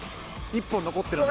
１本残ってる。